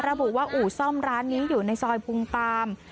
ระบุว่าอู่ซ่อมร้านนี้อยู่ในซอยพุงปาม